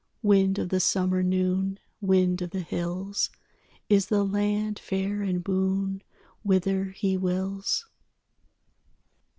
Wind of the summer noon, Wind of the hills, Is the land fair and boon Whither he wills?